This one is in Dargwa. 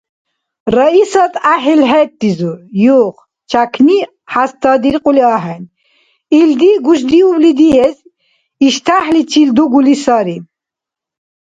Раисат гӀяхӀил хӀерризур: «Юх! Чякни хӀязтадиркьули ахӀен. Илди гушдиубли диэс, иштяхӀличил дугули сари…»